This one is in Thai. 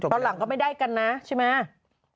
ตอนหลังก็ไม่ได้กันนะใช่ไหม